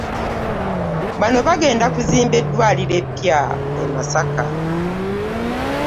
Bano bagenda kuzimba eddwaliro eppya e Masaka.